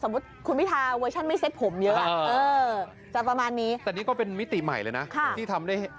มาเก็บตามาเก็บเวลา